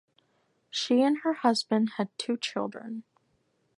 She and her husband had two children.